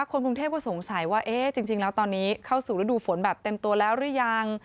คนกรุงเทพก็สงสัยว่าเอ๊ะจริงแล้วตอนนี้เข้าสู่ฤดูฝนแบบเต็มตัวแล้วหรือยัง